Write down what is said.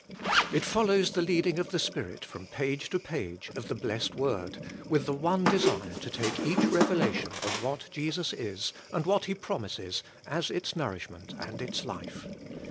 It follows the leading of the Spirit from page to page of the blessed Word, with the one desire to take each revela tion of what Jesus is and what He promises as its nourishment and its life.